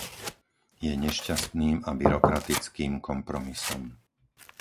Je nešťastným a byrokratickým kompromisom.